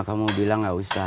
kamu bilang tidak usah